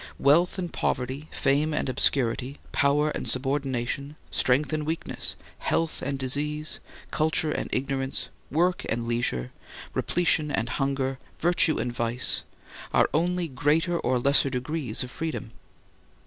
Wealth and poverty, fame and obscurity, power and subordination, strength and weakness, health and disease, culture and ignorance, work and leisure, repletion and hunger, virtue and vice, are only greater or lesser degrees of freedom.